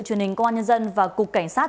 truyền hình công an nhân dân và cục cảnh sát